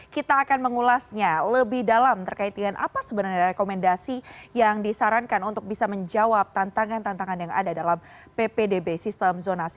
kita akan mengulasnya lebih dalam terkait dengan apa sebenarnya rekomendasi yang disarankan untuk bisa menjawab tantangan tantangan yang ada dalam ppdb sistem zonasi